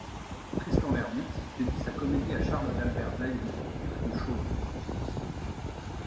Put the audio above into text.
Tristan L'Hermite dédie sa comédie à Charles d'Albert d'Ailly, duc de Chaulnes.